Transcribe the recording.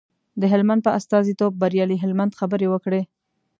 د هلمند په استازیتوب بریالي هلمند خبرې وکړې.